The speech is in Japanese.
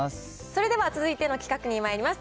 それでは続いての企画にまいります。